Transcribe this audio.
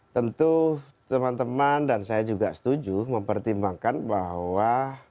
tentu teman teman dan saya juga setuju mempertimbangkan bahwa